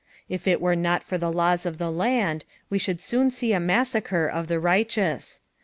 If it were not for the laws of the land, we should soon see a massacre of the righteous.